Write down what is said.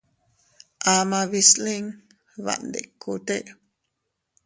Amaa bislin baʼandikute.